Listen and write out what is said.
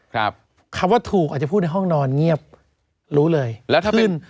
ครับคำว่าถูกอาจจะพูดในห้องนอนเงียบรู้เลย